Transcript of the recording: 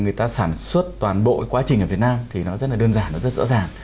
người ta sản xuất toàn bộ quá trình ở việt nam thì nó rất đơn giản rất rõ ràng